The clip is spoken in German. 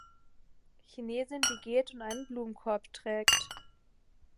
Chinesin, die geht und einen Blumenkorb trägt.